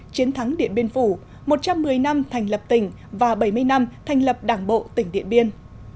chiến thắng điện biên phủ một trăm một mươi năm thành lập tỉnh và bảy mươi năm thành lập đảng bộ tỉnh điện biên